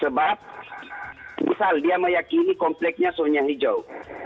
sebab misal dia meyakini kompleksnya zona hijau